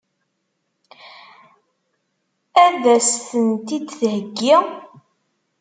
Ad as-tent-id-theggi?